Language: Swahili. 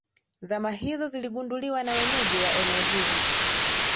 zama hizo ziligunduliwa na wenyeji wa eneo hilo